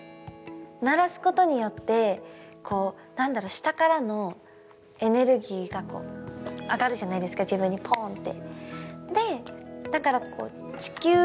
鳴らすことによって下からのエネルギーが上がるじゃないですか自分にポーンって。